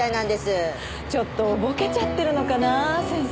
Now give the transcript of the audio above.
ちょっとぼけちゃってるのかなぁ先生。